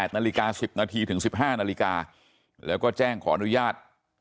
๘นาฬิกา๑๐นาทีถึง๑๕นาฬิกาแล้วก็แจ้งขออนุญาต